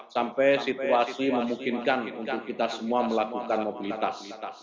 sampai situasi memungkinkan untuk kita semua melakukan mobilitas